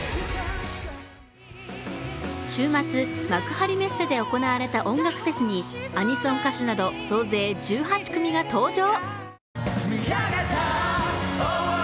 週末、幕張メッセで行われた音楽フェスにアニソン歌手など総勢１８組が登場。